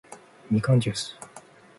みかんじゅーす